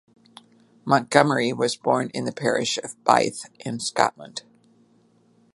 Montgomerie was born in the parish of Beith in Scotland.